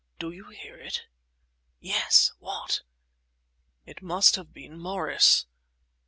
"Did you hear it?" "Yes! What?" "It must have been Morris!